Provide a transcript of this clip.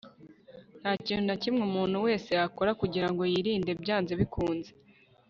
ntakintu nakimwe umuntu wese yakora kugirango yirinde byanze bikunze